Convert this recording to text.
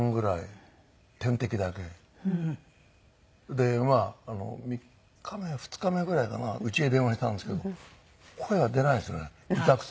で３日目２日目ぐらいかなうちへ電話したんですけど声が出ないんですよね痛くて。